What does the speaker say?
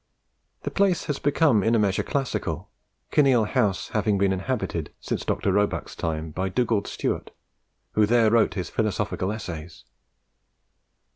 The place has become in a measure classical, Kinneil House having been inhabited, since Dr. Roebuck's time, by Dugald Stewart, who there wrote his Philosophical Essays.